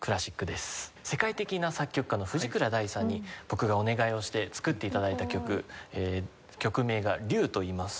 世界的な作曲家の藤倉大さんに僕がお願いをして作って頂いた曲曲名が『Ｒｙｕ』といいます。